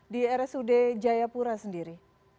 di rsud jayapura sendiri